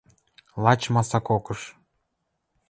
Лач масакокыш.